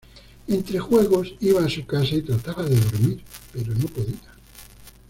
Entre juegos, iba a su casa y trataba de dormir, pero no podía.